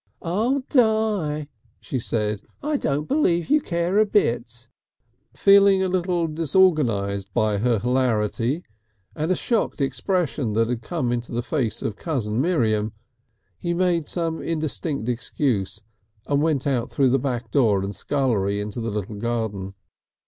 "I'll die!" she said. "I don't believe you care a bit!" Feeling a little disorganized by her hilarity and a shocked expression that had come to the face of cousin Miriam, he made some indistinct excuse and went out through the back room and scullery into the little garden.